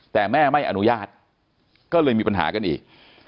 แต่แม่ไม่อนุญาตก็เลยมีปัญหากันอีก